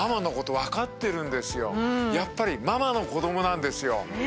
やっぱりママの子供なんですよ。